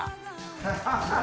ハハハハ！